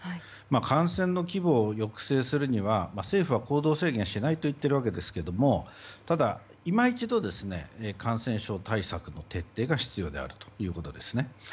感染の規模を抑制するには政府は行動制限をしないと言っていますがただ、今一度、感染症対策の徹底が必要ということですね。